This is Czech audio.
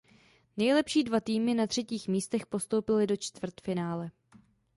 Nejlepší dva týmy na třetích místech postoupily do čtvrtfinále.